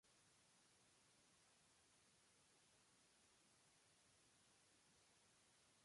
Su rango cronoestratigráfico abarca el Carbonífero medio y superior.